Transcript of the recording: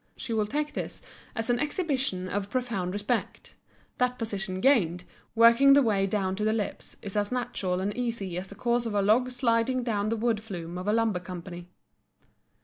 She will take this as an exhibition of profound respect. That position gained, working the way down to the lips is as natural and easy as the course of a log sliding down the wood flume of a lumber company.